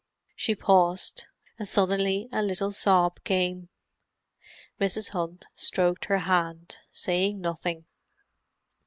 She paused, and suddenly a little sob came. Mrs. Hunt stroked her hand, saying nothing.